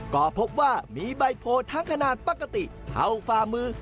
ก็พบว่ามีใบโพทั้งขนาดปกติเท่าฝ่ามือ